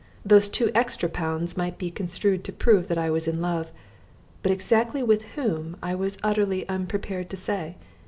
Those two extra pounds might be construed to prove that I was in love, but exactly with whom I was utterly unprepared to say.